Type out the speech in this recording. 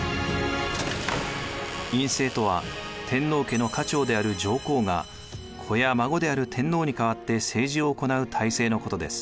院政とは天皇家の家長である上皇が子や孫である天皇に代わって政治を行う体制のことです。